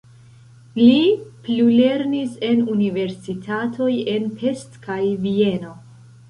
Li plulernis en universitatoj en Pest kaj Vieno.